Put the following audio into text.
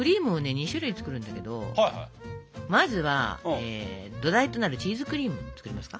２種類作るんだけどまずは土台となるチーズクリームを作りますか。